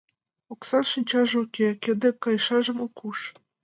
Оксан шинчаже уке, кӧ дек кайышашым ок уж.